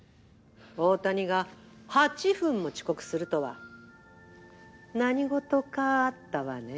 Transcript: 大谷が８分も遅刻するとは何事かあったわね？